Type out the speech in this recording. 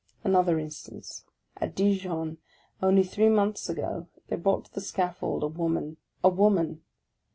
Another instance. At Dijon, only three months ago, they brought to the scaffold a woman (a woman!).